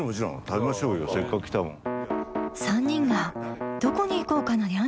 食べましょうよせっかく来たもん。